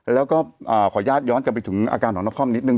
แล้วก็ขออนุญาตย้อนกลับไปถึงอาการของนครนิดนึ